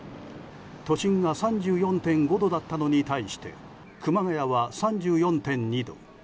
都心が３４．５度だったのに対して熊谷は３４．２度。